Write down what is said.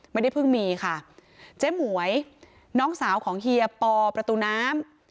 ไม่ได้เพิ่งมีค่ะเจ๊หมวยน้องสาวของเฮียปอประตูน้ำ